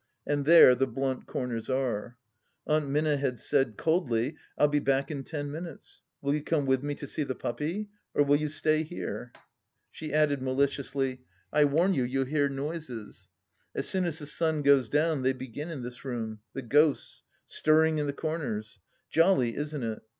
And there the blunt corners are ! Aunt Minna had said, coldly :" I'll be back m ten minutes. Will you come with me to see the puppy — or will you stay here ?" She added maliciously :" I warn you you'll hear noises. As soon as the sun goes down they begin in this room ... the ghosts ... stirring in the comers. Jolly, isn't it